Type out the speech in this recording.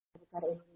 sangat buruk kepada